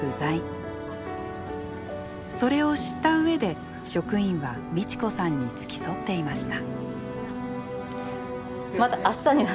それを知った上で職員はミチ子さんに付き添っていました。